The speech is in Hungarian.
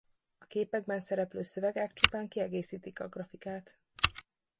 A képekben szereplő szövegek csupán kiegészítik a grafikát.